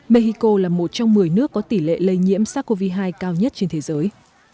mexico là một trong một mươi nước có tỷ lệ lây nhiễm sars cov hai cao nhất trên thế giới